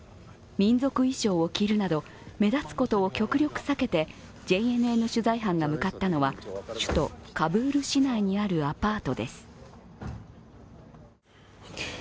民族衣装を着用し目立つことを極力避けてＪＮＮ取材班が向かったのは首都カブール市内にあるアパートです。